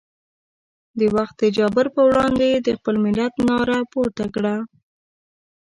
د وخت د جابر پر وړاندې یې د خپل ملت ناره پورته کړه.